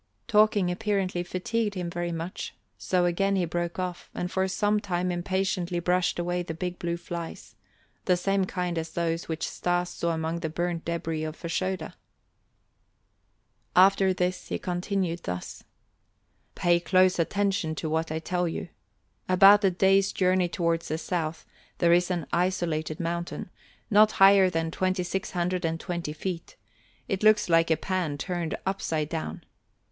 Talking apparently fatigued him very much, so he again broke off and for some time impatiently brushed away the big blue flies; the same kind as those which Stas saw among the burnt débris of Fashoda. After this he continued thus: "Pay close attention to what I tell you. About a day's journey towards the south there is an isolated mountain, not higher than twenty six hundred and twenty feet; it looks like a pan turned upside down.